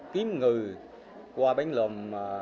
kiếm người qua bánh lộn